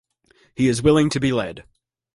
He is willing to be led.